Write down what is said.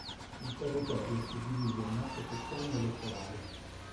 Il territorio è suddiviso in otto sezioni elettorali.